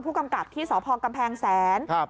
ผู้กำกับที่สพกำแพงแสน